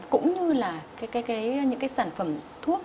cũng như là những cái sản phẩm thuốc